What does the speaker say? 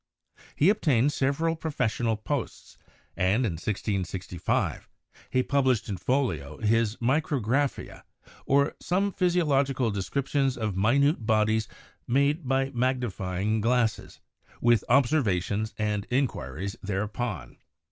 He obtained several professional posts and in 1665 he published in folio his 'Micrographia, or some physiological descriptions of minute bodies made by magnifying glasses, with observations and inquiries thereupon.'